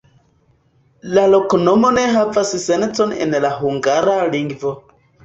La loknomo ne havas sencon en la hungara lingvo.